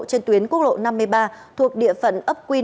trên tuyến quốc lộ năm mươi ba thuộc địa phận ấp quy